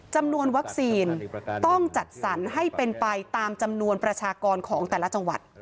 จำนวนวัคซีนต้องจัดสรรให้เป็นไปตามจำนวนประชากรของแต่ละจังหวัด